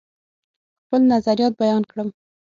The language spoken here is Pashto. خپل نظریات بیان کړم.